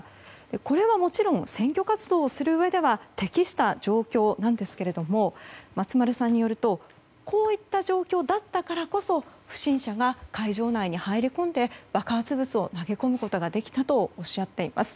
これはもちろん選挙活動をするうえでは適した状況なんですが松丸さんによるとこういった状況だったからこそ不審者が会場内に入り込んで爆発物を投げ込むことができたとおっしゃっています。